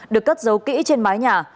được cất dấu kỹ trên mái nhà